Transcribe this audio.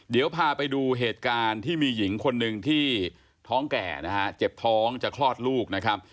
เดี๋ยวพาไปดูเหตุการณ์ที่มีหญิงคนหนึ่งที่ท้องแก่นะฮะเจ็บท้องจะคลอดลูกนะครับ